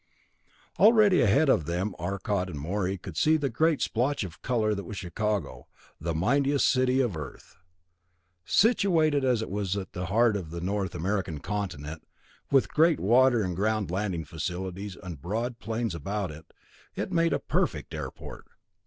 Already ahead of them Arcot and Morey could see the great splotch of color that was Chicago, the mightiest city of Earth. Situated as it was in the heart of the North American continent, with great water and ground landing facilities and broad plains about it, it made a perfect airport.